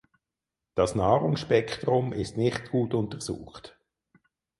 Das Nahrungsspektrum ist nicht gut untersucht.